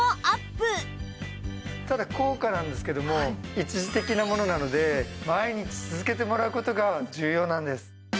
ただ効果なんですけども一時的なものなので毎日続けてもらう事が重要なんです。